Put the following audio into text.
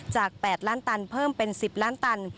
จาก๘ล้านตันเพิ่มเป็น๑๐ล้านตัน